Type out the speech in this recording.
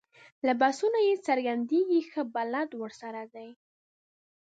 له بحثونو یې څرګندېږي ښه بلد ورسره دی.